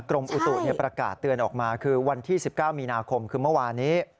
กรมอุตุประกาศเตือนออกมาคือวันที่๑๙มีนาคมคือเมื่อวานี้